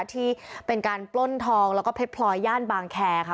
ที่เป็นการปล้นทองแล้วก็เพชรพลอยย่านบางแคร์ค่ะ